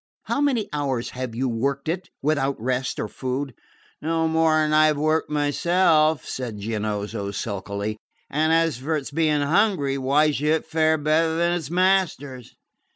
"How many hours have you worked it without rest or food?" "No more than I have worked myself," said Giannozzo sulkily; "and as for its being hungry, why should it fare better than its masters?"